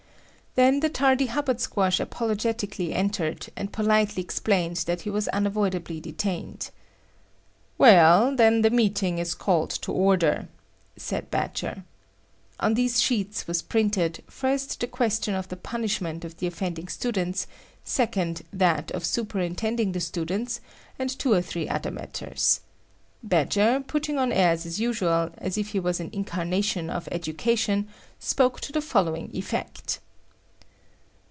Then the tardy Hubbard Squash apologetically entered, and politely explained that he was unavoidably detained. "Well, then the meeting is called to order," said Badger. On these sheets was printed, first the question of the punishment of the offending students, second that of superintending the students, and two or three other matters. Badger, putting on airs as usual, as if he was an incarnation of education, spoke to the following effect.